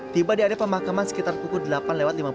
tiba di area pemakaman sekitar pukul delapan lewat lima puluh